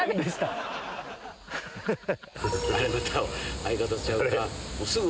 相方とちゃうか？